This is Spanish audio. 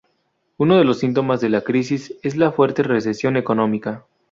Uno de los síntomas de la crisis es la fuerte recesión económica.